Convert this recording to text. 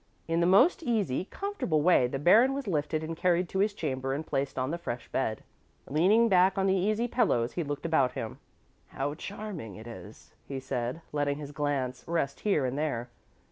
In the most easy, comfortable way the Baron was lifted and carried to his chamber and placed on the fresh bed. Leaning back on the easy pillows, he looked about him. "How charming it is," he said, letting his glance rest here and there.